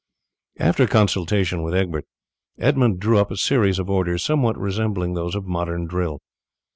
After consultation with Egbert, Edmund drew up a series of orders somewhat resembling those of modern drill.